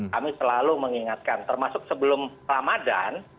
kami selalu mengingatkan termasuk sebelum ramadhan